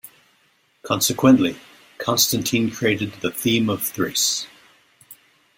Consequently, Constantine created the Theme of Thrace.